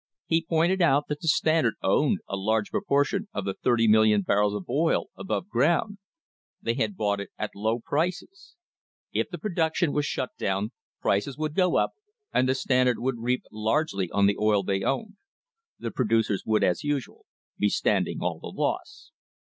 He pointed out that the Standard owned a large proportion of the 30,000,000 barrels of oil above ground. They had bought it at low prices. If the pro duction was shut down prices would go up and the Standard THE HISTORY OF THE STANDARD OIL COMPANY would reap largely on the oil they owned. The producers would, as usual, be standing all the loss.